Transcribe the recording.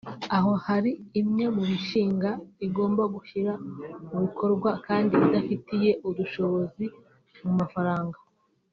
aho hari imwe mu mishinga igomba gushyira mu bikorwa kandi idafitiye ubushobozi mu mafaranga